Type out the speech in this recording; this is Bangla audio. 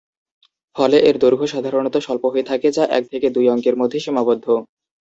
ফলে এর দৈর্ঘ্য সাধারণত স্বল্প হয়ে থাকে, যা এক থেকে দুই অঙ্কের মধ্যে সীমাবদ্ধ।